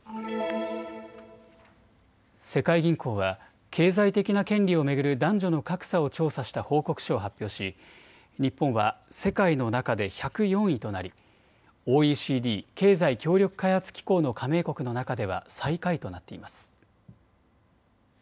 世界銀行は経済的な権利を巡る男女の格差を調査した報告書を発表し日本は世界の中で１０４位となりＯＥＣＤ・経済協力開発機構の加盟国の中では最下位となっています。